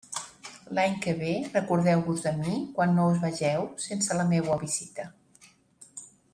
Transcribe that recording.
L'any que ve recordeu-vos de mi quan no us vegeu sense la meua visita.